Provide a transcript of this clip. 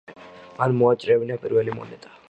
მან მოაჭრევინა პირველი მონეტა.